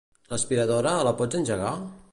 L'aspiradora, la pots engegar?